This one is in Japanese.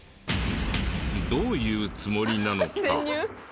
どういうつもりなのか？